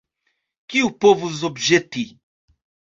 Kiu povus obĵeti?